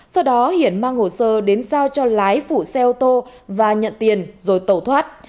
sau đó hiển mang hồ sơ đến giao cho lái phụ xe ô tô và nhận tiền rồi tẩu thoát